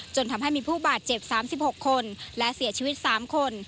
จนทำให้มีผู้บาดเจ็บ๓๖คนและเสียชีวิต๓คน